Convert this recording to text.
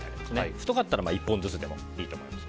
太かったら１本ずつでもいいと思います。